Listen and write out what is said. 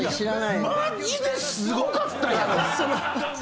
マジですごかったんやから！